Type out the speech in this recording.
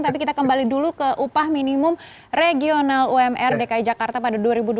tapi kita kembali dulu ke upah minimum regional umr dki jakarta pada dua ribu dua puluh